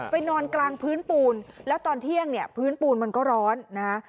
นอนกลางพื้นปูนแล้วตอนเที่ยงเนี่ยพื้นปูนมันก็ร้อนนะฮะ